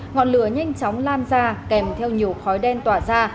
ngọn lửa nhanh chóng lan ra kèm theo nhiều khói đen tỏa ra